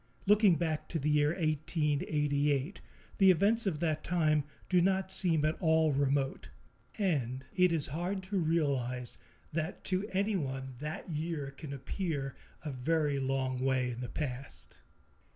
Looking back to the year 1888, the events of that time do not seem at all remote, and it is hard to realize that to anyone that year can appear a very long way in the past.